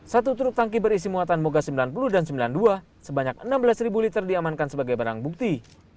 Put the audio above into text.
satu truk tangki berisi muatan moga sembilan puluh dan sembilan puluh dua sebanyak enam belas liter diamankan sebagai barang bukti